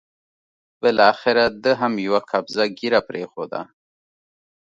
بالاخره ده هم یوه قبضه ږیره پرېښوده.